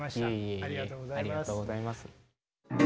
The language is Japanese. ありがとうございます。